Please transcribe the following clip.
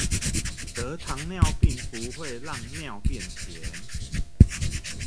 得糖尿病不會讓尿變甜